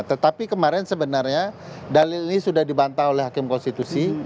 tetapi kemarin sebenarnya dalil ini sudah dibantah oleh hakim konstitusi